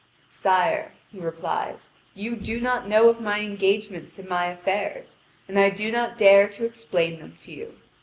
"Sire," he replies, "you do not know of my engagements and my affairs, and I do not dare to explain them to you.